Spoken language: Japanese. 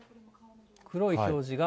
黒い表示が。